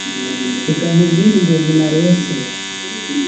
Reka nkubwire inzozi narose.